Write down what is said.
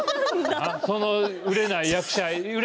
その売れない役者